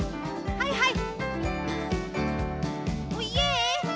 はいはい。